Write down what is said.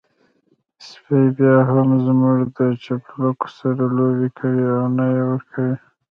سپی بيا هم زموږ د چپلکو سره لوبې کوي او نه يې ورکوي.